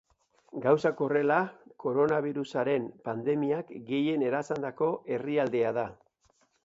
Gauzak horrela, koronabirusaren pandemiak gehien erasandako herrialdea da.